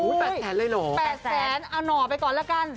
อุ๊ยแปดแสนเลยเหรอแปดแสนเอาหน่อไปก่อนแล้วกัน